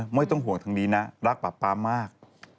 ไม่ต้องห่วงทางนี้นะรักป๊าป๊ามาก